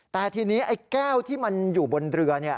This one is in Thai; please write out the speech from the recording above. แต่ทีนี้ไอ้แก้วที่มันอยู่บนเรือ